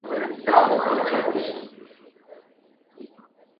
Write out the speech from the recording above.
mtu yeyote mwenye virusi vya ukimwi asibaguliwe